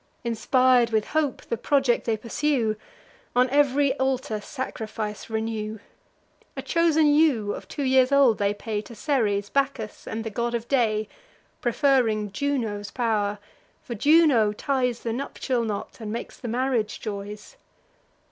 Inspir'd with hope, the project they pursue; On ev'ry altar sacrifice renew: A chosen ewe of two years old they pay To Ceres, Bacchus, and the God of Day; Preferring Juno's pow'r, for Juno ties The nuptial knot and makes the marriage joys.